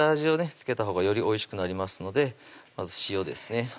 付けたほうがよりおいしくなりますのでまず塩ですね